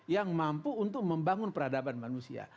yang mampu untuk membangun peradaban manusia